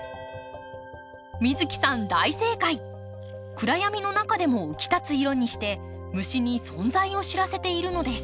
暗闇の中でも浮き立つ色にして虫に存在を知らせているのです。